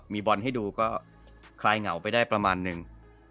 มีบอลให้ดูก็คลายเหงาไปได้ประมาณนึง